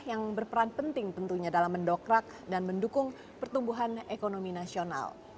yang berperan penting tentunya dalam mendokrak dan mendukung pertumbuhan ekonomi nasional